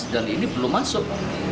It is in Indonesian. dan ini belum masuk